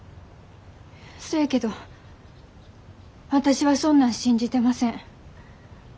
そやけど私はそんなん信じてません。